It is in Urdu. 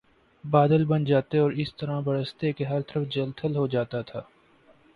بادل بن جاتے اور اس طرح برستے کہ ہر طرف جل تھل ہو جاتا تھا